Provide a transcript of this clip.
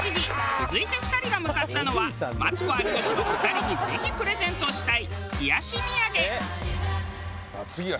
続いて２人が向かったのはマツコ有吉の２人にぜひプレゼントしたい冷やし土産。